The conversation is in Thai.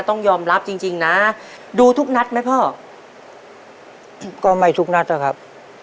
ต้องยอมรับจริงจริงนะดูทุกนัดไหมพ่อก็ไม่ทุกนัดนะครับ